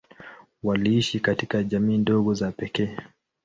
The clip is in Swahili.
Waliishi katika jamii ndogo za pekee.